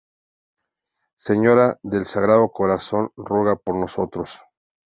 Señora del Sagrado Corazón, Ruega por nosotros!